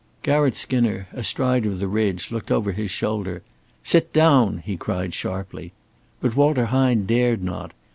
Garratt Skinner, astride of the ridge, looked over his shoulder. "Sit down," he cried, sharply. But Walter Hine dared not.